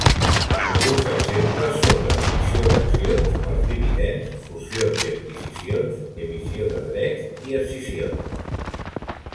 Alguns exemples són la divisió d'accions, els dividends, fusions i adquisicions, emissió de drets i escissions.